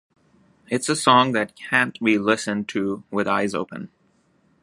It's a song that can't be listened to with eyes open.